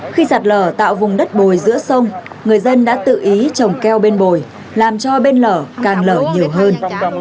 khi sạt lở tạo vùng đất bồi giữa sông người dân đã tự ý trồng keo bên bồi làm cho bên lở càng lở nhiều hơn